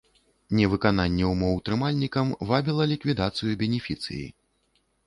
Невыкананне ўмоў трымальнікам вабіла ліквідацыю бенефіцыі.